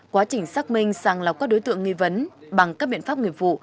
quá trình xác minh sàng lọc các đối tượng nghi vấn bằng các biện pháp nghiệp vụ